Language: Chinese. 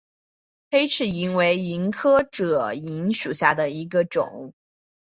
黑翅萤为萤科熠萤属下的一个种。